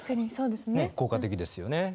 効果的ですよね。